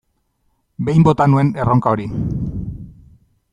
Behin bota nuen erronka hori.